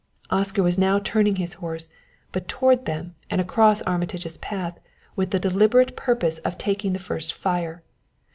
Oscar was now turning his horse, but toward them and across Armitage's path, with the deliberate purpose of taking the first fire.